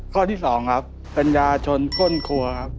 ข้อที่๒ครับปัญญาชนก้นครัวครับ